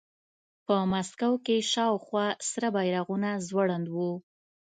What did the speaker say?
په مسکو کې شاوخوا سره بیرغونه ځوړند وو